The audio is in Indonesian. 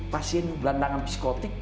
pasien berlandangan psikotik